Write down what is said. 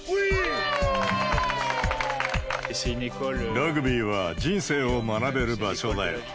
ラグビーは人生を学べる場所だよ。